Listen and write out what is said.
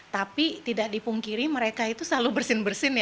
tapi tidak dipungkiri mereka itu selalu bersin bersin ya